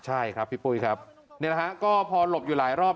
ใช่ครับพี่ปุ้ยครับนี่แหละฮะก็พอหลบอยู่หลายรอบ